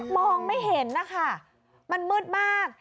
มองไม่เห็นนะคะมันมืดมาก